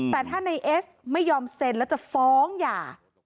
แต่ถ้าในเอสไม่ยอมเซ็นแล้วจะฟ้องหย่า